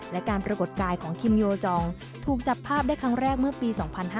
และการปรากฏกายของคิมโยจองถูกจับภาพได้ครั้งแรกเมื่อปี๒๕๕๙